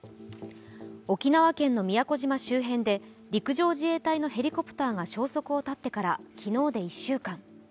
沖縄県の宮古島周辺で陸上自衛隊のヘリコプターが消息を絶ってから昨日で１週間。